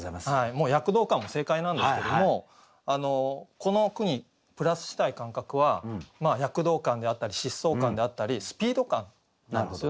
もう躍動感も正解なんですけどもこの句にプラスしたい感覚は躍動感であったり疾走感であったりスピード感なんですよね。